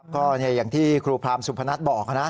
ก็อย่างที่ครูพรามสุพนัทบอกนะ